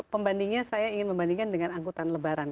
pembandingnya saya ingin membandingkan dengan angkutan lebaran